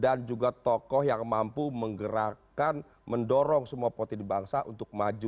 dan juga tokoh yang mampu menggerakkan mendorong semua poti di bangsa untuk maju